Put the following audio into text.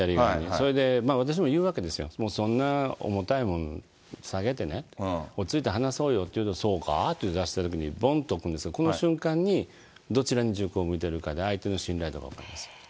それで、私も言うわけですよ、もうそんな重たいもん下げてね、落ち着いて話そうよと言うと、そうかって出したときにぼんと置くんです、この瞬間に、どちらに銃口が向いてるかで相手の信頼度が分かります。